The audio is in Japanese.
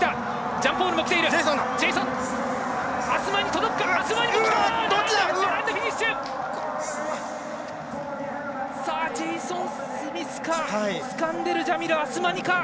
ジェイソン・スミスかスカンデルジャミル・アスマニか。